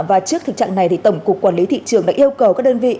và trước thực trạng này tổng cục quản lý thị trường đã yêu cầu các đơn vị